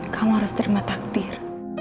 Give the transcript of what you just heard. kamu harus terima takdir